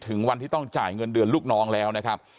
วันที่ต้องจ่ายเงินเดือนลูกน้องแล้วนะครับ